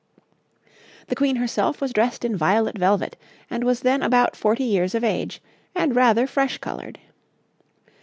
'The Queen herself was dressed in violet velvet, and was then about forty years of age, and rather fresh coloured.